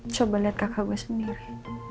coba lihat kakak gue sendiri